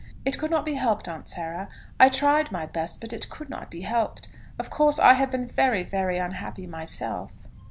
"It could not be helped, Aunt Sarah. I tried my best, but it could not be helped. Of course I have been very, very unhappy myself."